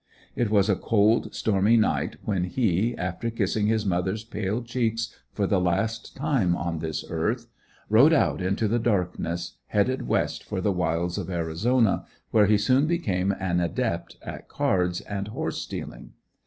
It was a cold stormy night when he, after kissing his mother's pale cheeks for the last time on this earth, rode out into the darkness, headed west for the wilds of Arizona, where he soon became an adept at cards and horse stealing.